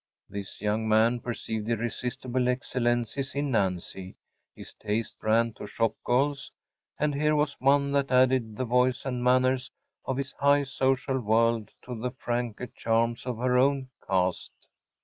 This young man perceived irresistible excellencies in Nancy. His taste ran to shop girls; and here was one that added the voice and manners of his high social world to the franker charms of her own caste.